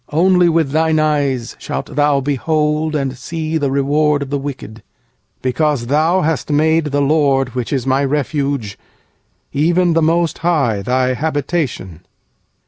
80nly with thine eyes shalt thou behold, And see the recompense of the wicked. 9For thou hast made the LORD who is my refuge, Even the Most High, thy habita ' tion.